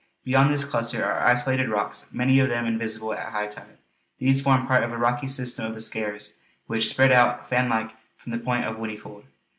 Beyond this cluster are isolated rocks, many of them invisible at high tide. These form part of the rocky system of the Skares, which spread out fan like from the point of Whinnyfold.